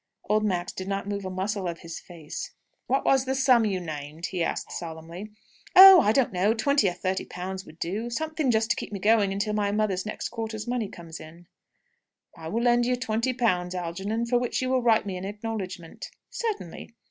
Old Max did not move a muscle of his face. "What was the sum you named?" he asked, solemnly. "Oh, I don't know twenty or thirty pounds would do. Something just to keep me going until my mother's next quarter's money comes in." "I will lend you twenty pounds, Algernon, for which you will write me an acknowledgment." "Certainly!"